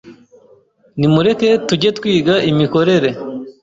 nimureke tujye twiga imikorere,